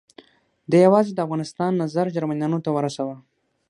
ده یوازې د افغانستان نظر جرمنیانو ته ورساوه.